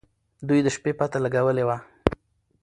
دوی د شپې پته لګولې وه.